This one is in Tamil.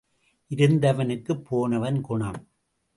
இருந்தவனுக்குப் போனவன் குணம்.